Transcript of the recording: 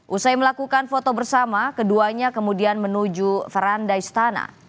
usai melakukan foto bersama keduanya kemudian menuju verandai istana